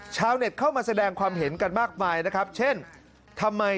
ชาวเน็ตเข้ามาแสดงความเห็นกันมากมายนะครับเช่นทำไม